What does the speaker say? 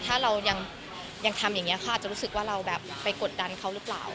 ถ้าเรายังทำอย่างนี้เขาอาจจะรู้สึกว่าเราแบบไปกดดันเขาหรือเปล่า